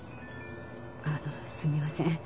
あのすみません。